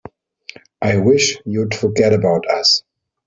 I wish you'd forget about us.